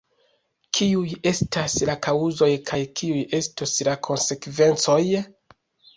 Kiuj estas la kaŭzoj kaj kiuj estos la konsekvencoj?